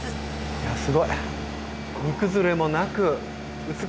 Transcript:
いやすごい。